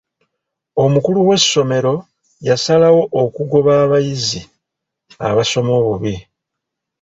Omukulu w'essomero yasalawo okugoba abayizi abasoma obubi.